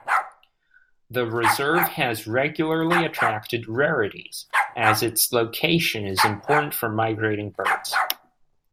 The reserve has regularly attracted rarities, as its location is important for migrating birds.